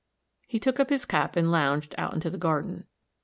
He took up his cap and lounged out into the garden.